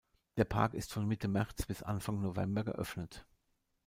Der Park ist von Mitte März bis Anfang November geöffnet.